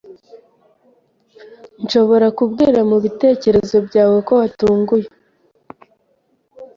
Nshobora kubwira mubitekerezo byawe ko watunguwe.